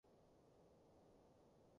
老少平安